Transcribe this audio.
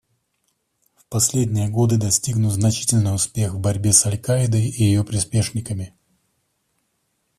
В последние годы достигнут значительный успех в борьбе с «Аль-Каидой» и ее приспешниками.